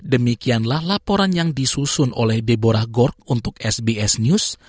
demikianlah laporan yang disusun oleh deborah gord untuk sbs news